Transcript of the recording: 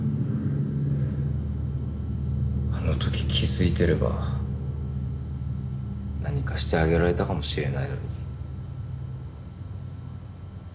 あの時気づいてれば何かしてあげられたかもしれないのに。